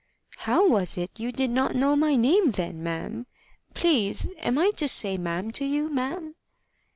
"How was it you did not know my name, then, ma'am? Please am I to say ma'am to you, ma'am?"